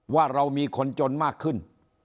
ว่าเรามีคนจนมากขึ้น